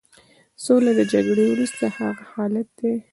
سوله د جګړې وروسته هغه حالت دی.